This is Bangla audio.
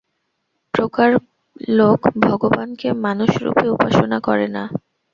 প্রকার লোক ভগবানকে মানুষরূপে উপাসনা করে না।